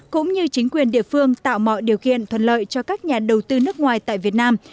cũng như chính quyền địa phương tạo mọi điều kiện thuận lợi cho các nhà đầu tư nước ngoài tại việt nam